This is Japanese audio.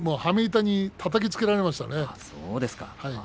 羽目板にたたきつけられましたね。